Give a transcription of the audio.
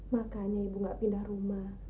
makanya ibu gak pindah rumah